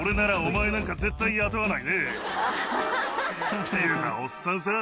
っていうかおっさんさぁ。